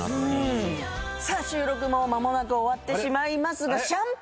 さあ収録も間もなく終わってしまいますが。